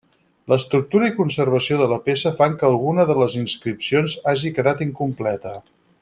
L'estructura i conservació de la peça fan que alguna de les inscripcions hagi quedat incompleta.